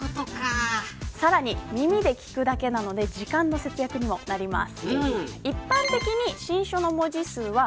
さらに、耳で聞くだけなので時間の節約にもなります。